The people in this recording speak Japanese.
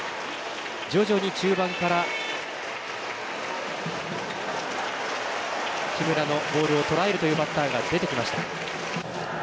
徐々に中盤から木村のボールをとらえるというバッターが出てきました。